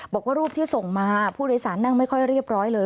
บอกว่ารูปที่ส่งมาผู้โดยสารนั่งไม่ค่อยเรียบร้อยเลย